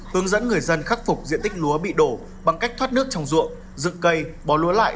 hướng dẫn người dân khắc phục diện tích lúa bị đổ bằng cách thoát nước trong ruộng dựng cây bỏ lúa lại